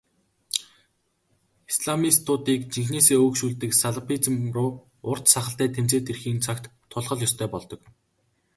Исламистуудыг жинхэнээсээ өөгшүүлдэг салафизм руу урт сахалтай тэмцээд ирэхийн цагт тулах л ёстой болдог.